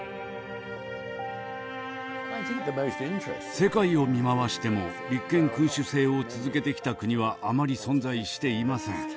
世界を見回しても立憲君主制を続けてきた国はあまり存在していません。